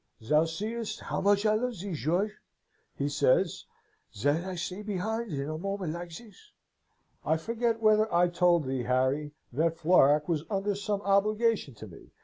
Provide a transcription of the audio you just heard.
'Thou seest how much I love thee, George,' he said, 'that I stay behind in a moment like this.' I forget whether I told thee Harry, that Florac was under some obligation to me.